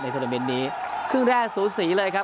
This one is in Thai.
ในธุรกิจนี้ครึ่งแรกสูตรสีเลยครับ